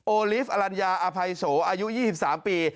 ลิฟต์อลัญญาอภัยโสอายุ๒๓ปี